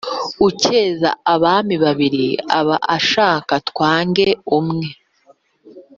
Ucyeza abami babiri aba ashaka twange umwe.